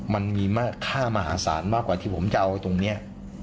มันมีค่ามหาศาลมากกว่าที่ผมจะเอาตรงนี้